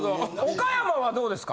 岡山はどうですか？